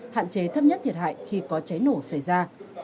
hạn chế thấp nhất thiệt hại khi có cháy nổ xảy ra